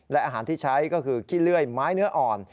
และอาหารที่ใช้ก็คือขี้เลื่อยไม้เนื้ออ่อน